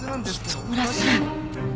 糸村さん！